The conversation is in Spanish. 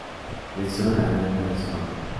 Creció en la granja de su familia.